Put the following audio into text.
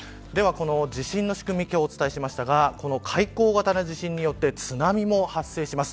地震の仕組みをお伝えしましたが海溝型の地震によって津波も発生します。